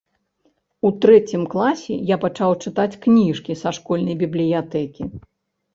У трэцім класе я пачаў чытаць кніжкі са школьнай бібліятэкі.